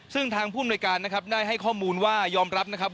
ซึ่งทางผู้อำนวยการนะครับได้ให้ข้อมูลว่ายอมรับนะครับ